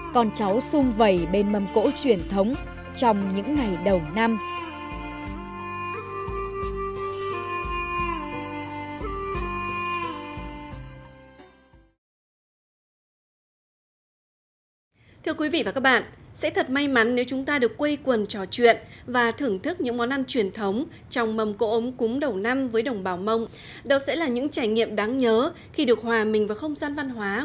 còn cháu sung vẩy bên mâm cỗ truyền thống trong những ngày đầu năm